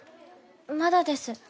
まだです。